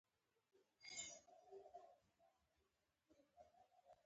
د مالکیت حقوق بې ثباته و